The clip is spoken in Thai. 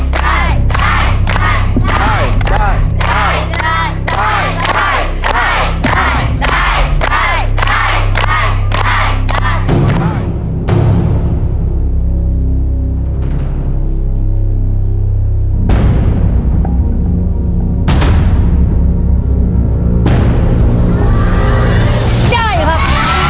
ได้ครับ